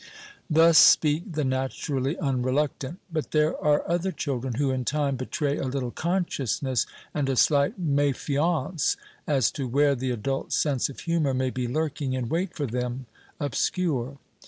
Thus speak the naturally unreluctant; but there are other children who in time betray a little consciousness and a slight mefiance as to where the adult sense of humour may be lurking in wait for them, obscure.